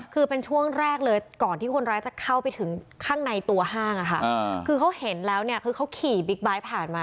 คือเป็นช่วงแรกเลยก่อนที่คนร้ายจะเข้าไปถึงข้างในตัวห้างอะค่ะคือเขาเห็นแล้วเนี่ยคือเขาขี่บิ๊กไบท์ผ่านมา